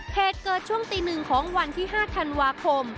เหตุเกิดช่วงตี๑ของวันที่๕ธันวาคม